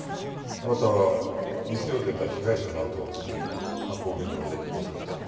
「あなたは店を出た被害者のあとをつけ犯行現場で襲った。